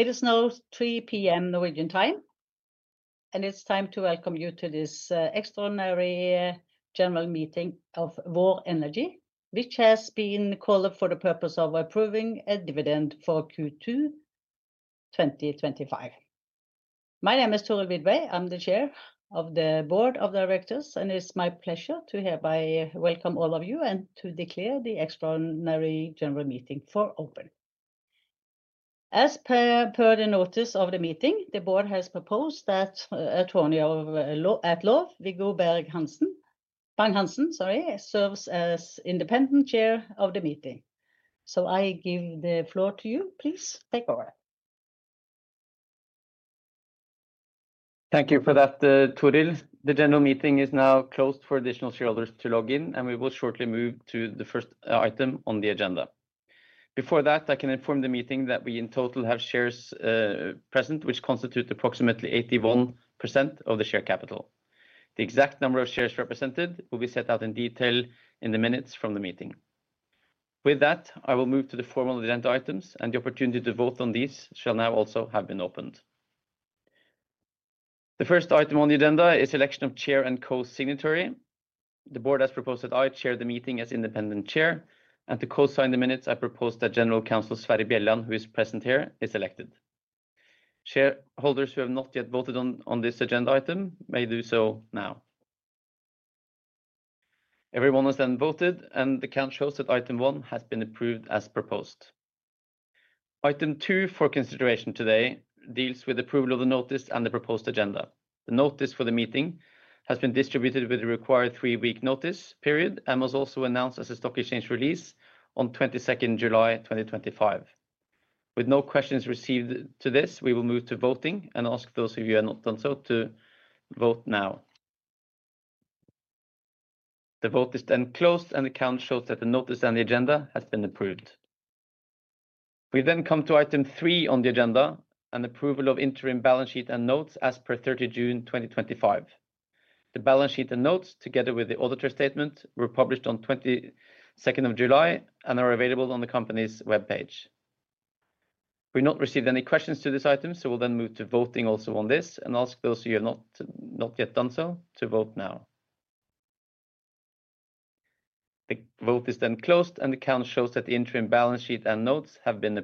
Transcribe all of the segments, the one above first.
It is now 3:00 P.M. Norwegian time, and it's time to welcome you to this Extraordinary General Meeting of Vår Energi, which has been called up for the purpose of approving a dividend for Q2 2025. My name is Thorhild Widvey. I'm the Chair of the Board of Directors, and it's my pleasure to hereby welcome all of you and to declare the Extraordinary General Meeting for open. As per the notice of the meeting, the Board has proposed that Atle Reinseth Bang Hansen serves as Independent Chair of the Meeting. I give the floor to you. Please take over. Thank you for that, Thorhild. The General Meeting is now closed for additional shareholders to log in, and we will shortly move to the first item on the agenda. Before that, I can inform the meeting that we in total have shares present, which constitute approximately 81% of the share capital. The exact number of shares represented will be set out in detail in the Minutes from the Meeting. With that, I will move to the formal agenda items, and the opportunity to vote on these shall now also have been opened. The first item on the Agenda is the selection of Chair and Co-signatory. The Board has proposed that I chair the meeting as Independent Chair, and to co-sign the minutes, I propose that General Counsel Sverre Bjelland, who is present here, is elected. Shareholders who have not yet voted on this Agenda item may do so now. Everyone has then voted, and the count shows that Item One has been approved as proposed. Item Two for consideration today deals with the approval of the Notice and the proposed Agenda. The Notice for the Meeting has been distributed with the required three-week notice period and was also announced as a Stock Exchange release on 22nd July 2025. With no questions received to this, we will move to voting and ask those of you who have not done so to vote now. The vote is then closed, and the count shows that the Notice and the Agenda have been approved. We then come to Item Three on the Agenda: an approval of Interim Balance Sheet and Notes as per 30 June 2025. The Balance Sheet and Notes, together with the Auditor’s Statement, were published on 22nd July, and are available on the Company's web page. We have not received any questions to this Item, so we'll then move to voting also on this and ask those of you who have not yet done so to vote now. The vote is then closed, and the count shows that the Interim Balance sheet and Notes have been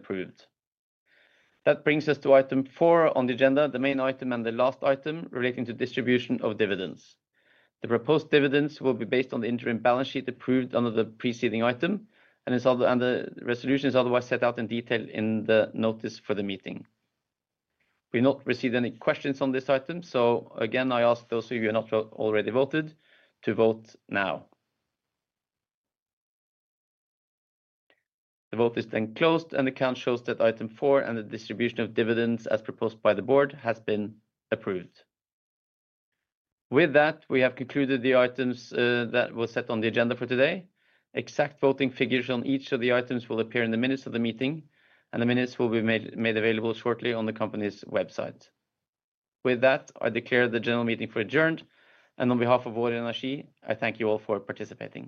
approved. That brings us to Item Four on the Agenda, the main item and the last item relating to distribution of Dividends. The proposed dividends will be based on the Interim Balance Sheet approved under the preceding item, and the resolution is otherwise set out in detail in the Notice for the Meeting. We have not received any questions on this Item, so again, I ask those of you who have not already voted to vote now. The vote is then closed, and the count shows that Item Four and the distribution of Dividends as proposed by the Board have been approved. With that, we have concluded the items that were set on the Agenda for today. Exact voting figures on each of the Items will appear in the Minutes of the Meeting, and the Minutes will be made available shortly on the company's website. With that, I declare the General Meeting adjourned, and on behalf of Vår Energi, I thank you all for participating.